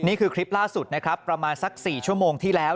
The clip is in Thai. นี่คือคลิปล่าสุดนะครับประมาณสัก๔ชั่วโมงที่แล้ว